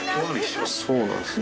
そうなんですよ